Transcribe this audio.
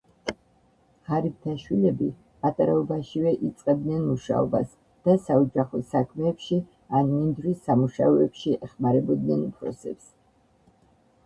ღარიბთა შვილები პატარაობაშივე იწყებდნენ მუშაობას და საოჯახო საქმეებში ან მინდვრის სამუშაოებში ეხმარებოდნენ უფროსებს.